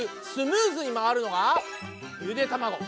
スムーズに回るのがゆで卵。